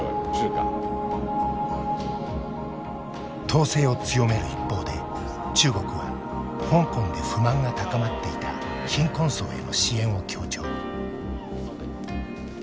統制を強める一方で中国は香港で不満が高まっていた貧困層への支援を強調。